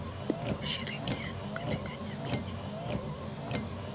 Ushirikiano katika jamii ni muhimu